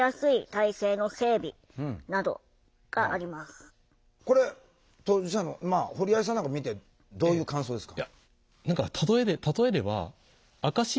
その中身はこれ当事者の堀合さんなんか見てどういう感想ですか？